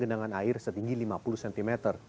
genangan air setinggi lima puluh cm